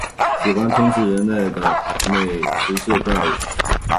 喜欢吞噬人类的美食界怪物。